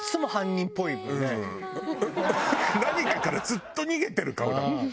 何かからずっと逃げてる顔だもん。